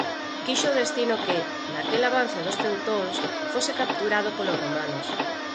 quixo o destino que, naquel avance dos teutóns, fose capturado polos romanos